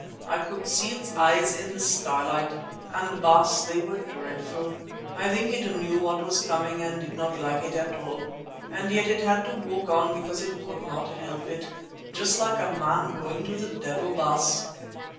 I could see its eyes in the starlight, and, Baas, they were dreadful. I think it knew what was coming and did not like it at all. And yet it had to walk on because it could not help it. Just like a man going to the devil, Baas!